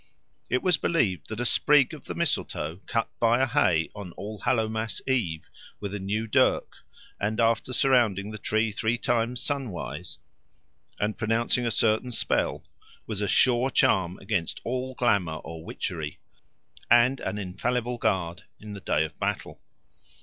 It was believed that a sprig of the mistletoe cut by a Hay on Allhallowmas eve, with a new dirk, and after surrounding the tree three times sunwise, and pronouncing a certain spell, was a sure charm against all glamour or witchery, and an infallible guard in the day of battle.